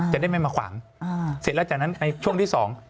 จะได้ไม่มาขวางอ่าเสร็จแล้วจากนั้นในช่วงที่สอง